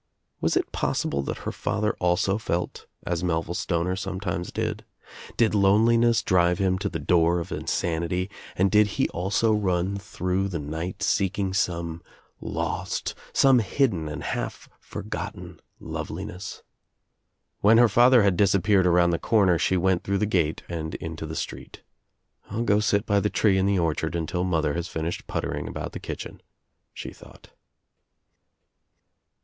Was it pos sible that her father also felt as Melville Stoner some times did? Did loneliness drive him to the door of insanity and did he also run through the night seek ing some lost, some hidden and half forgotten loveli ness? When her father had disappeared around the cor ' ner she went through the gate and into the street "I'll go sit by the tree in the orchard until mother has finished puttering about the kitchen," she thought.